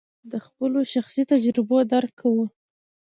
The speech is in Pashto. د خپلو شخصي تجربو درک کوو.